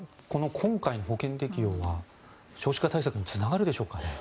今回の保険適用は少子化対策につながるでしょうかね。